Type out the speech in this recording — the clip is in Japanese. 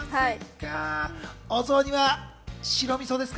お雑煮は白味噌ですか？